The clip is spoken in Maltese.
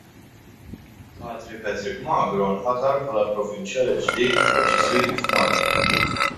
Patri Patrick Magro nħatar bħala l-Provinċjal il-ġdid tal-Ġiżwiti f'Malta.